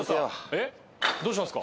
えっどうしたんすか？